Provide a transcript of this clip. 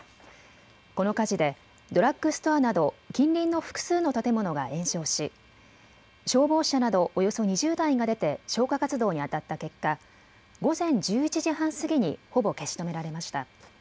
この火事でドラッグストアなど近隣の複数の建物が延焼し消防車などおよそ２０台が出て消火活動にあたった結果、午前１１時半過ぎにほぼ消し止められました。